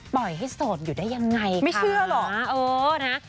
ปล่อยให้โสดอยู่ได้ยังไงไม่เชื่อเหรอเออนะ